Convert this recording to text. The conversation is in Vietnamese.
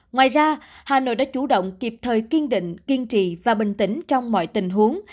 ngoài ra hà nội đã chủ động kịp thời kiên định kiên trì và bình tĩnh trong mọi tình huống